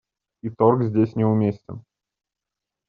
И торг здесь неуместен.